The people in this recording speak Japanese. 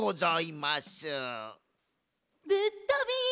・ぶっとび！